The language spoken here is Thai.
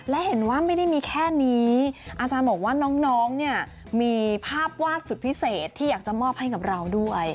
และเห็นว่าไม่ได้มีแค่นี้อาจารย์บอกว่าน้องเนี่ยมีภาพวาดสุดพิเศษที่อยากจะมอบให้กับเราด้วย